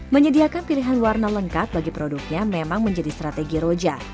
menyediakan pilihan warna lengkap bagi produknya memang menjadi strategi roja